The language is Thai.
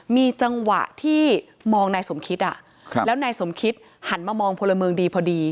มีจังหวะที่มองนายสมคิดแล้วนายสมคิดหันมามองพลเมืองดีพอดี